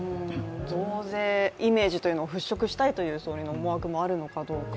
増税イメージというのを払拭したいという総理の思惑があるのかどうか。